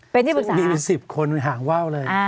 เป็นที่ปรึกษามีเป็น๑๐คนหางว่าวเลย